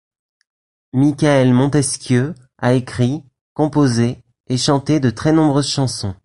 Michael Montesquieu a écrit, composé et chanté de très nombreuses chansons.